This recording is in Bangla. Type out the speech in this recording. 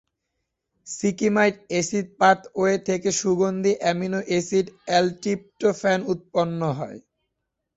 শিকিমাইট এসিড পাথওয়ে থেকে সুগন্ধি অ্যামিনো এসিড এল-ট্রিপটোফ্যান উৎপন্ন হয়।